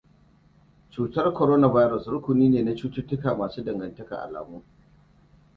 Cutar coronavirus, rukuni ne na cututuka masu dangantakar alamu.